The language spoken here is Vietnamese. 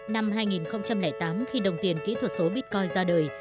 năm hai nghìn tám khi đồng tiền kỹ thuật số bitcoin ra đời